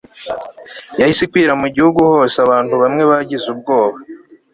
yahise ikwira mu gihugu hose Abantu bamwe bagize ubwoba